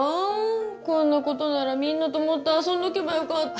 こんなことならみんなともっと遊んどけばよかった！